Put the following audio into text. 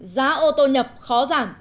giá ô tô nhập khó giảm